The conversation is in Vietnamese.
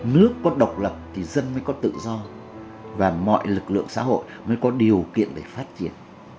nước có độc lập thì dân mới có tự do và mọi lực lượng xã hội mới có điều kiện để phát triển